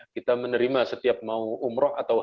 kita menerima setiap mau umroh atau